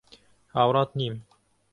هاوڕات نیم.